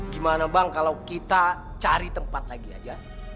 gimana bang kalau kita cari tempat lagi aja